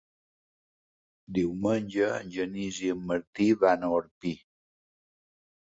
Diumenge en Genís i en Martí van a Orpí.